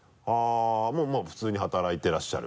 もう普通に働いていらっしゃる？